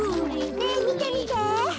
ねえみてみて。